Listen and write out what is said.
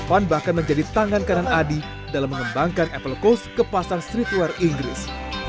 van bahkan menjadi tangan kanan adi dalam mengembangkan apple coast ke pasar streetwear inggris